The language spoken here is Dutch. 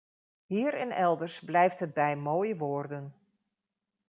Hier en elders blijft het bij mooie woorden.